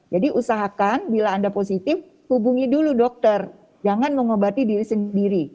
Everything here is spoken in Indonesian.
jadi usahakan bila anda positif hubungi dulu dokter jangan mengobati diri sendiri